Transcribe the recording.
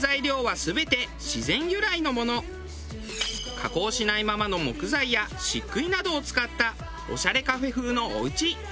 加工しないままの木材や漆喰などを使ったオシャレカフェ風のおうち。